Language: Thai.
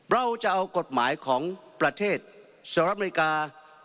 เราจะเอากฎหมายของประเทศสหรัฐอเมริกา